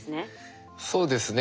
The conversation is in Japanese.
そうですね